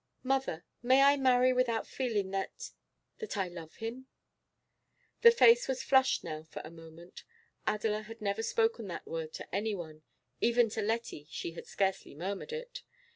'Mother, may I marry without feeling that that I love him?' The face was flushed now for a moment. Adela had never spoken that word to anyone; even to Letty she had scarcely murmured it.